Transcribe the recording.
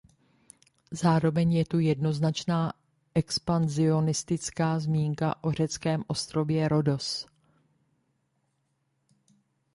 Zároveň je tu jednoznačná expanzionistická zmínka o řeckém ostrově Rhodos.